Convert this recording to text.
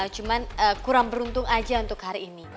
cuma kurang beruntung aja untuk hari ini